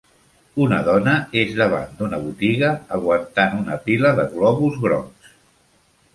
Una dona és davant d'una botiga aguantant una pila de globus grocs.